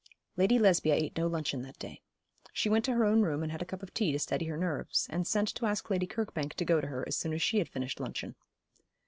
Lady Lesbia ate no luncheon that day. She went to her own room and had a cup of tea to steady her nerves, and sent to ask Lady Kirkbank to go to her as soon as she had finished luncheon.